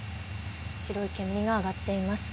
白い煙が上がっています。